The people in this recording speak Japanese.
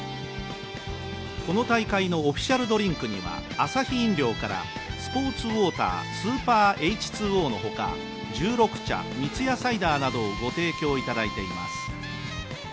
この大会のオフィシャルドリンクにはアサヒ飲料からスポーツウォータースーパーＨ２Ｏの他、十六茶、三ツ矢サイダーなどをご提供いただいています。